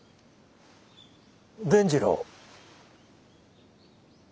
伝次郎。